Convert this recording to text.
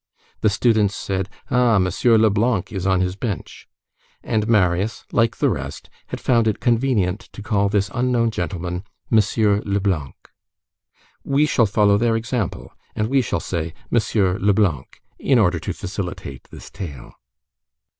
The students said: "Ah! Monsieur Leblanc is on his bench." And Marius, like the rest, had found it convenient to call this unknown gentleman Monsieur Leblanc. We shall follow their example, and we shall say M. Leblanc, in order to facilitate this tale.